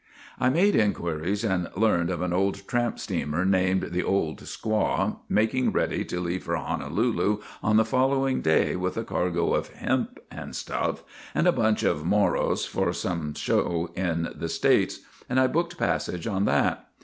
' I made inquiries and learned of an old tramp steamer, named the Old Squaw, making ready to leave for Honolulu on the following day with a cargo of hemp and stuff, and a bunch of Moros for some show in the States, and I booked passage on that.